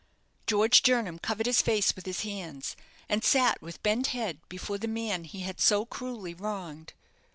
George Jernam covered his face with his hands, and sat with bent head before the man he had so cruelly wronged.